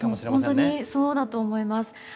本当にそうだと思います。